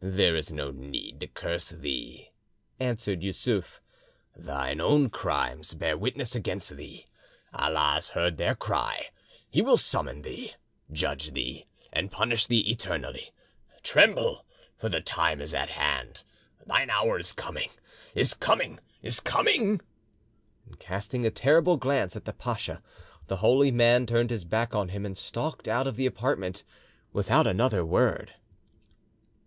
"There is no need to curse thee," answered Yussuf. "Thine own crimes bear witness against thee. Allah has heard their cry. He will summon thee, judge thee, and punish thee eternally. Tremble, for the time is at hand! Thine hour is coming—is coming—is coming!" Casting a terrible glance at the pacha, the holy man turned his back on him, and stalked out of the apartment without another word.